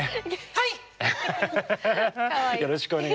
はい！